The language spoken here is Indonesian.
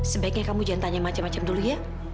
sebaiknya kamu jangan tanya macam macam dulu ya